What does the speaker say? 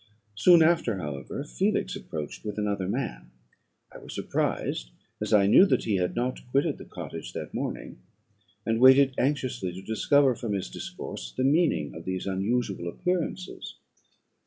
Soon after, however, Felix approached with another man: I was surprised, as I knew that he had not quitted the cottage that morning, and waited anxiously to discover, from his discourse, the meaning of these unusual appearances.